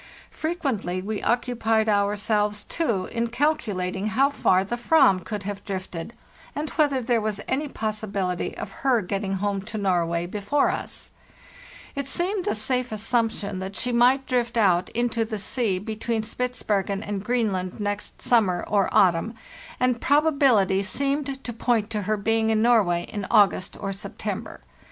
Frequently we occupied ourselves, too, in calculating how far the Ayam could have drifted, and whether there was any possibility of her getting home to Norway before us. 458 FARTHEST NORTH It seemed a safe assumption that she might drift out into the sea between Spitzbergen and Greenland next sum mer or autumn, and probability seemed to point to her being in Norway in August or September.